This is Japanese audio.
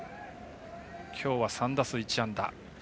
きょうは３打数１安打。